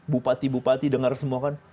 bupati bupati dengar semua kan